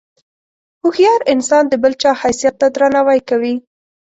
هوښیار انسان د بل چا حیثیت ته درناوی کوي.